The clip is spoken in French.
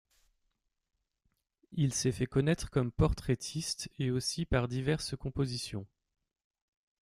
Il s’est fait connaître comme portraitiste et aussi par diverses compositions.